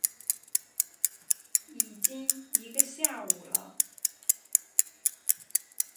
已经一个下午了